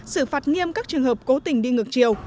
xử phạt nghiêm các trường hợp cố tình đi ngược chiều